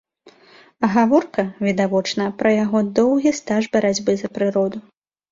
Гаворка, відавочна пра яго доўгі стаж барацьбы за прыроду.